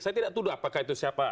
saya tidak tuduh apakah itu siapa